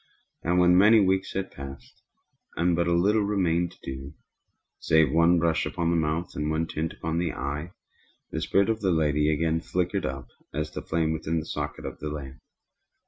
And when many weeks had passed, and but little remained to do, save one brush upon the mouth and one tint upon the eye, the spirit of the lady again flickered up as the flame within the socket of the lamp.